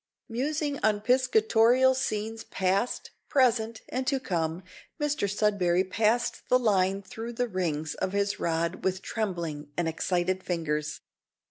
Musing on piscatorial scenes past, present, and to come, Mr Sudberry passed the line through the rings of his rod with trembling and excited fingers.